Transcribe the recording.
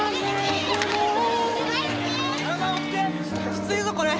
きついぞこれ！